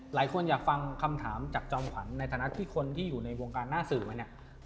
หลายคนอยากฟังคำถามจากจอมขวัญในฐานะที่คนที่อยู่ในวงการหน้าสื่อมาเนี่ย